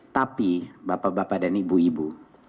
tapi bapak bapak dan ibu ibu